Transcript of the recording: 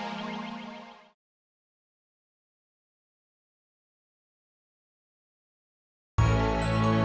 jangan lupa untuk mempertimbangkan video pertama